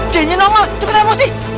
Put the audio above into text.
jahitnya nongol cepetan mesti